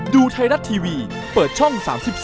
ดูไทยรัฐทีวีเปิดช่อง๓๒